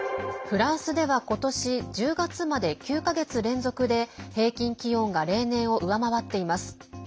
フランスでは今年１０月まで９か月連続で平均気温が例年を上回っています。